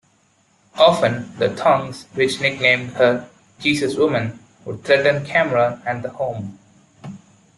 Often, the Tongs, which nicknamed her "Jesus Woman", would threaten Cameron and the home.